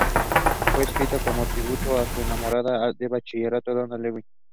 Fue escrita como un tributo a su enamorada de bachillerato Donna Ludwig.